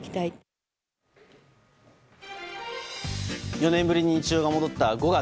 ４年ぶりに日常が戻った５月。